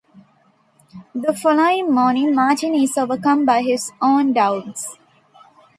The following morning Martin is overcome by his own doubts.